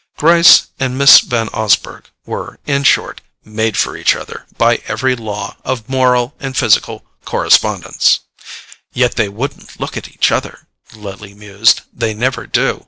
Gryce and Miss Van Osburgh were, in short, made for each other by every law of moral and physical correspondence——"Yet they wouldn't look at each other," Lily mused, "they never do.